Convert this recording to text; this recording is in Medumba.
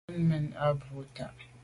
Lèn mèn o bwô tà’.